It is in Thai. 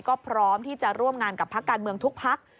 ก็พร้อมที่จะร่วมงานกับพักการเมืองทุกพัก